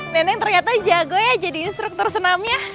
neneng ternyata jago ya jadi instruktur senamnya